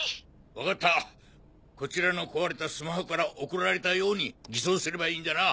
分かったこちらの壊れたスマホから送られたように偽装すればいいんじゃな？